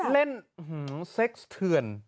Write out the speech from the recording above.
เล่นเซ็กซ์เทือน